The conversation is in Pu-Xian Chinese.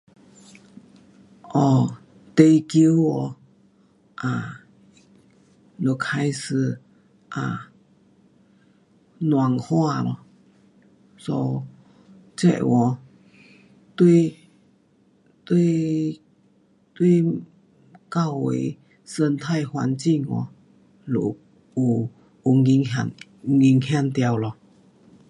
um 地球喔 um 若开始 um 暖化，so 热 um 对，对，对靠围生态环境咯，有影响到咯。